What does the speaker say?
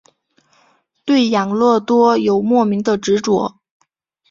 对养乐多有莫名的执着。